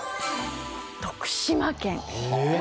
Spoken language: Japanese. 徳島県。